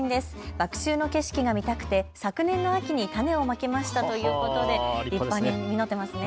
麦秋の景色が見たくて昨年の秋に種をまきましたということで立派に実っていますね。